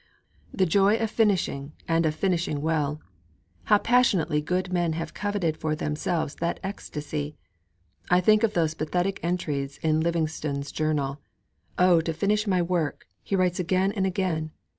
III The joy of finishing and of finishing well! How passionately good men have coveted for themselves that ecstasy! I think of those pathetic entries in Livingstone's journal. 'Oh, to finish my work!' he writes again and again.